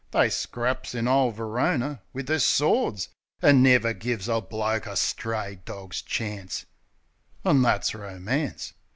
They scraps in ole Verona wiv the'r swords. An' never give a bloke a stray dog's chance, An' that's Romance.